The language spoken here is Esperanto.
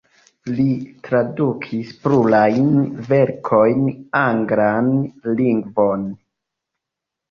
Li tradukis plurajn verkojn anglan lingvon.